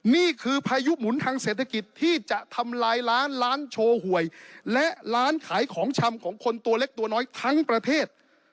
นี่คือพายุหมุนทางเศรษฐกิจที่จะทำลายร้านร้านโชว์หวยและร้านขายของชำของคนตัวเล็กตัวน้อยทั้งประเทศ